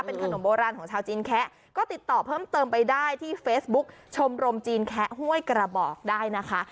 เป็นขนมโบราณของชาวจีนแคะก็ติดต่อเพิ่มเติมไปได้ที่เฟซบุ๊คชมรมจีนแคะห้วยกระบอกได้นะคะ